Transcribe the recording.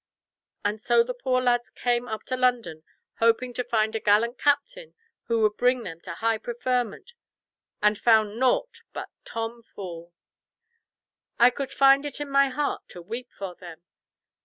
And so the poor lads came up to London hoping to find a gallant captain who could bring them to high preferment, and found nought but—Tom Fool! I could find it in my heart to weep for them!